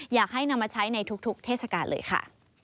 อยากให้นำมาใช้ในทุกเทศกาลเลยค่ะ